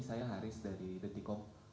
saya haris dari dtkom